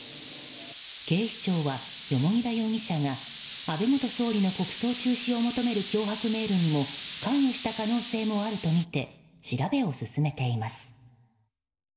警視庁は蓬田容疑者が安倍元総理の国葬中止を求める脅迫メールにも関与した可能性もあるとみて調べを進めています。